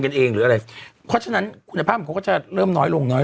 เองหรืออะไรเพราะฉะนั้นคุณภาพของเขาก็จะเริ่มน้อยลงน้อย